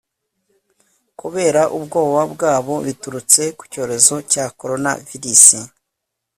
kubera ubwoba bwabo, biturutse ku cyorezo cya coronavirus